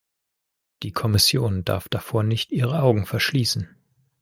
Die Kommission darf davor nicht ihre Augen verschließen.